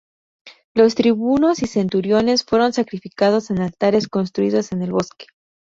Los tribunos y centuriones fueron sacrificados en altares construidos en el bosque.